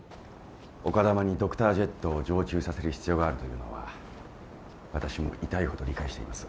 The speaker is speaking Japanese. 丘珠にドクタージェットを常駐させる必要があるというのは私も痛いほど理解しています。